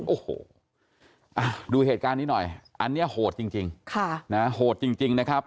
โอ้โหดูเหตุการณ์นี้หน่อยอันนี้โหดจริงโหดจริงนะครับ